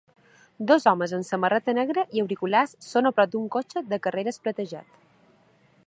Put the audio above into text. Dos homes amb samarreta negra i auriculars són a prop d'un cotxe de carreres platejat.